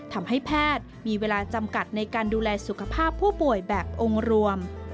ทำให้แพทย์มีเวลาจำกัดในการดูแลสุขภาพผู้ป่วยแบบองค์รวม